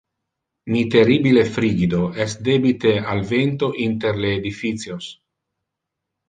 Mi terribile frigido es debite al vento inter le edificios.